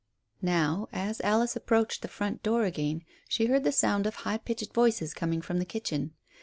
Now, as Alice approached the front door again, she heard the sound of high pitched voices coming from the kitchen.